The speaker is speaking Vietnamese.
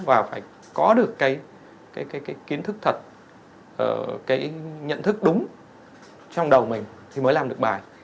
và phải có được cái kiến thức thật cái nhận thức đúng trong đầu mình thì mới làm được bài